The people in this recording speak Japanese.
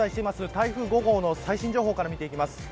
台風５号の最新情報から見ていきます。